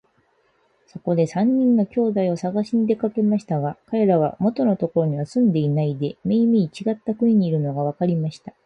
そこで三人の兄弟をさがしに出かけましたが、かれらは元のところには住んでいないで、めいめいちがった国にいるのがわかりました。